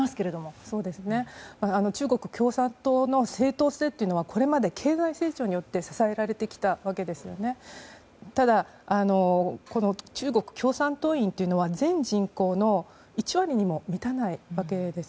中国共産党の正当性というのは経済成長によって支えられてきたわけですがこの中国共産党員は全人口の１割にも満たないわけです。